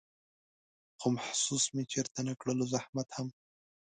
خو محسوس مې چېرته نه کړلو زحمت هم